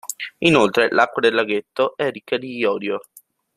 Inoltre l'acqua del laghetto è ricca di iodio.